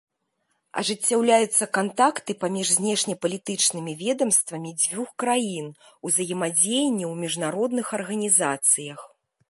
Ажыццяўляюцца кантакты паміж знешнепалітычнымі ведамствамі дзвюх краін, узаемадзеянне ў міжнародных арганізацыях.